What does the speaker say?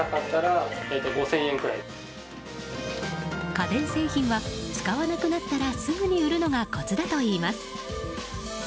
家電製品は使わなくなったらすぐに売るのがコツだといいます。